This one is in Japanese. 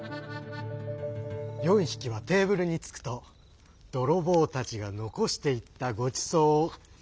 ４匹はテーブルにつくと泥棒たちが残していったごちそうを。